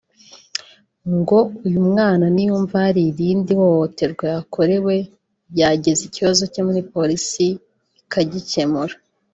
ngo uyu mwana niyumva hari irindi hohoterwa yakorewe yageza ikibazo cye muri polisi ikagikemura